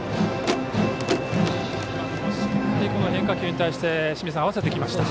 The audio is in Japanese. しっかり変化球に対して合わせてきました。